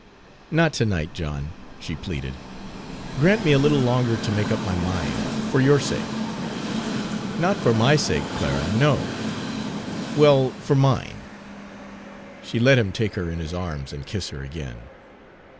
"Not to night, John," she pleaded. "Grant me a little longer time to make up my mind for your sake." "Not for my sake, Clara, no." "Well for mine." She let him take her in his arms and kiss her again.